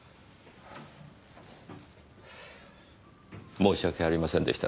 申し訳ありませんでしたね。